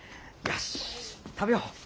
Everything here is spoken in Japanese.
よし食べよう。